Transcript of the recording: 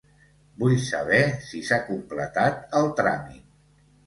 Vull saber si s'ha completat el tràmit.